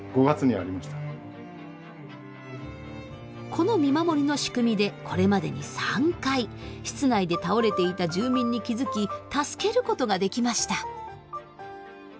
この見守りの仕組みでこれまでに３回室内で倒れていた住民に気付き助けることができました。